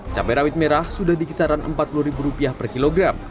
cabai rawit merah sudah di kisaran empat puluh ribu rupiah per kilogram